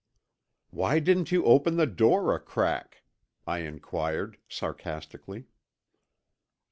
"Why didn't you open the door a crack?" I inquired sarcastically.